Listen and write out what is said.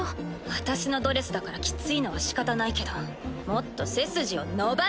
私のドレスだからきついのはしかたないけどもっと背筋を伸ばしなさい！